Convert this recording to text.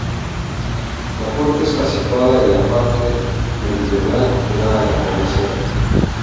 La puerta está situada en la parte meridional que da a la población.